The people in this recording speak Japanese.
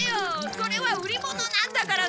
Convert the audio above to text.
それは売り物なんだからさあ！